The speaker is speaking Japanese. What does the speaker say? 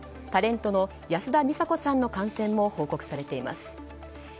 タレントの安田美沙子さんの感染も報告されています。